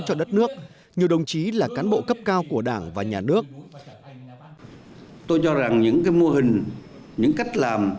cho đất nước nhiều đồng chí là cán bộ cấp cao của đảng và nhà nước